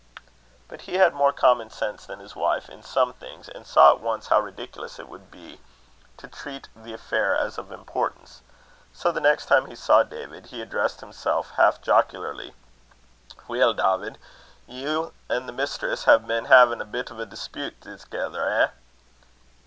But he had more common sense than his wife in some things, and saw at once how ridiculous it would be to treat the affair as of importance. So, the next time he saw David, he addressed him half jocularly: "Weel, Dawvid, you an' the mistress hae been haein' a bit o' a dispute thegither, eh?"